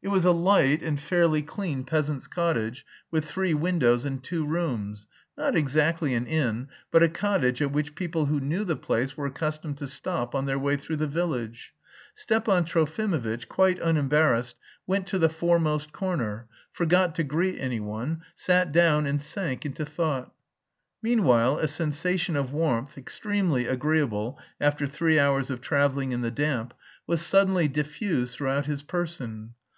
It was a light and fairly clean peasant's cottage, with three windows and two rooms; not exactly an inn, but a cottage at which people who knew the place were accustomed to stop on their way through the village. Stepan Trofimovitch, quite unembarrassed, went to the foremost corner; forgot to greet anyone, sat down and sank into thought. Meanwhile a sensation of warmth, extremely agreeable after three hours of travelling in the damp, was suddenly diffused throughout his person.